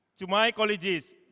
untuk kolegium saya